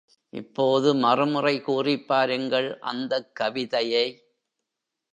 இப்போது மறுமுறை கூறிப்பாருங்கள் அந்தக் கவிதையை.